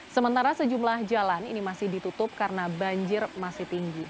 sementara sejumlah jalan ini masih ditutup karena banjir masih tinggi